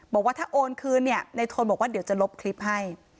บอกว่าถ้าโอนคืนเนี่ยในโทนบอกว่าเดี๋ยวจะลบคลิปให้